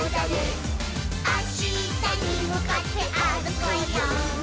「あしたにむかってあるこうよ」